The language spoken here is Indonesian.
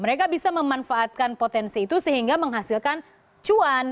mereka bisa memanfaatkan potensi itu sehingga menghasilkan cuan